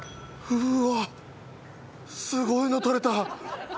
うわっすごいの取れた。